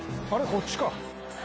こっちか！